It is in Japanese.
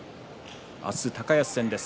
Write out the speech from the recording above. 明日、高安戦です。